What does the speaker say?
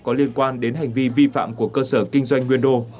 có liên quan đến hành vi vi phạm của cơ sở kinh doanh nguyên đô